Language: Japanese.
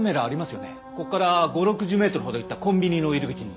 ここから５０６０メートルほど行ったコンビニの入り口に。